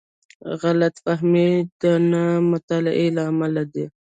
غلط فهمۍ د نه مطالعې له امله دي.